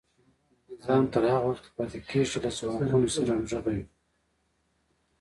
نظام تر هغه وخته پاتې کیږي چې له ځواکونو سره همغږی وي.